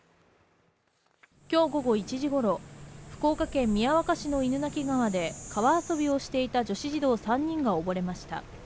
今日午後１時ごろ、福岡県宮若市の犬鳴川で川遊びをしていた女子児童３人が溺れました。